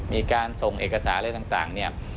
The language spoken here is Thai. มีการทรงเอกสารอะไรต่าง